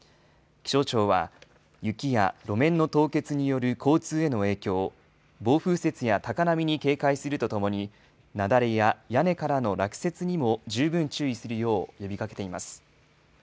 気象庁は、雪や路面の凍結による交通への影響、暴風雪や高波に警戒するとともに、雪崩や屋根からの落雪にも十分注意するよう呼びかけています。